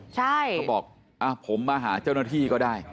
เขาบอกผมมาหาเจ้าหน้าที่ก็ได้